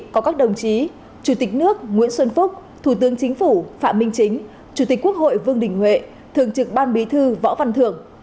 có các đồng chí chủ tịch nước nguyễn xuân phúc thủ tướng chính phủ phạm minh chính chủ tịch quốc hội vương đình huệ thường trực ban bí thư võ văn thưởng